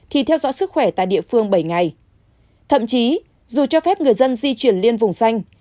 thì theo dõi sức khỏe tại địa phương bảy ngày thậm chí dù cho phép người dân di chuyển liên vùng xanh